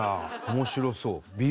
面白そう。